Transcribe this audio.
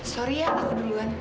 sorry ya aku duluan